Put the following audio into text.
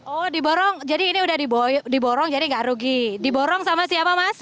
oh diborong jadi ini udah diborong jadi nggak rugi diborong sama siapa mas